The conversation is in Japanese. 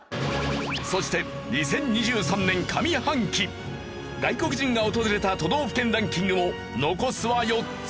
そして２０２３年上半期外国人が訪れた都道府県ランキングも残すは４つ。